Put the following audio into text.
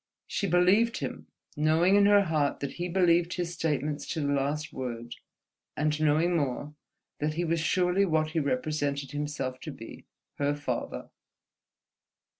She believed him, knowing in her heart that he believed his statements to the last word; and knowing more, that he was surely what he represented himself to be, her father.